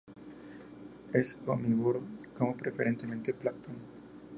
Es omnívoro y come preferentemente plancton.